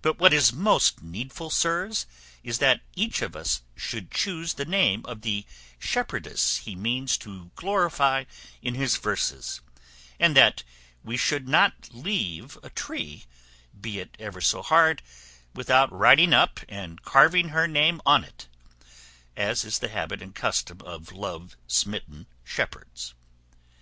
But what is most needful, sirs, is that each of us should choose the name of the shepherdess he means to glorify in his verses, and that we should not leave a tree, be it ever so hard, without writing up and carving her name on it, as is the habit and custom of love smitten shepherds."